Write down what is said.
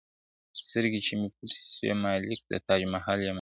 سترګي چي مي پټي سي مالِک د تاج محل یمه `